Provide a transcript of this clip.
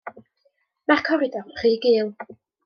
Mae'r coridor yn rhy gul.